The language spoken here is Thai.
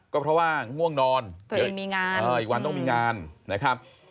ก็เพราะว่าง่วงนอนตัวเองมีงานอีกวันต้องมีงานนะครับ